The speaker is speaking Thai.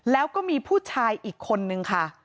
แล้วก็มีผู้ชายอีกคนนึงค่ะ